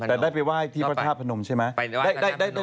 แต่ได้ไปไหว้ที่พระธาตุพนมใช่ไหม